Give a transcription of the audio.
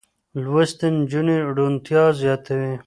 لوستې نجونې روڼتيا زياتوي.